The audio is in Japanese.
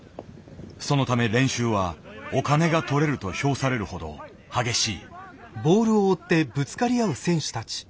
そのため練習は「お金が取れる」と評されるほど激しい。